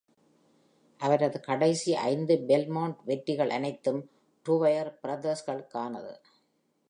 அவரது கடைசி ஐந்து பெல்மாண்ட் வெற்றிகள் அனைத்தும் டுவயர் பிரதர்ஸ்களுக்கானது.